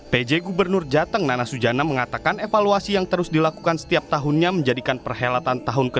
pj gubernur jateng nana sujana mengatakan evaluasi yang terus dilakukan setiap tahunnya menjadikan perhelatan tahun dua ribu